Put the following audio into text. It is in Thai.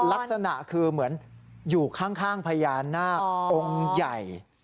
ลักษณะคือเหมือนอยู่ข้างพญานาคองค์ใหญ่